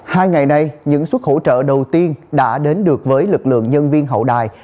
hai ngày nay những suất hỗ trợ đầu tiên đã đến được với lực lượng nhân viên hậu đài